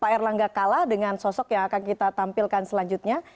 pak erlangga kalah dengan sosok yang akan kita tampilkan selanjutnya